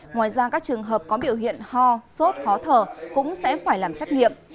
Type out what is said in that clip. ngoài ra các trường hợp có biểu hiện ho sốt khó thở cũng sẽ phải làm xét nghiệm